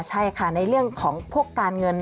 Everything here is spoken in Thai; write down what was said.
ใช่ค่ะในเรื่องของพวกการเงิน